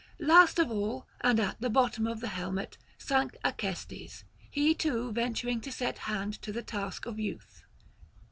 Last of all, and at the bottom of the helmet, sank Acestes, he too venturing to set hand to the task of youth.